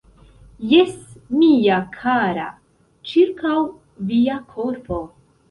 Jes, mia kara, ĉirkaŭ via korpo.